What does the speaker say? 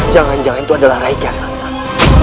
jangan jangan itu adalah rai kian santang